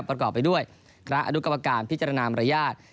ประกอบไปด้วยคณะอนุกรรมการพิจารณามารยาท